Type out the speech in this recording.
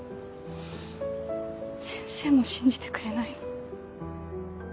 先生も信じてくれないの。